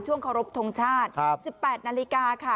ขอรบทรงชาติ๑๘นาฬิกาค่ะ